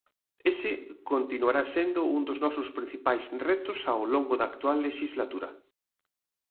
Ese continuará sendo un dos nosos principias retos ao longo da actual lexislatura.